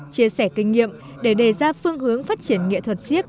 chia sẻ kinh nghiệm để đề ra phương hướng phát triển nghệ thuật siếc